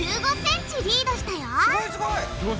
すごいすごい！